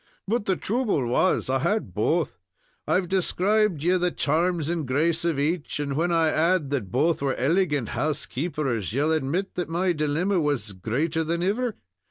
"But the trouble was, I had both. I've described you the charms and grace of each, and when I add that both were elegant housekeepers, ye'll admit that my dilemma was greater than ever.